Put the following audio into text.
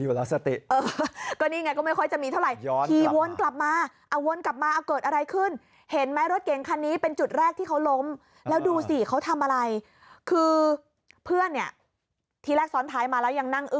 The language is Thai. ยังไม่ทันคร่อมเลยอ่า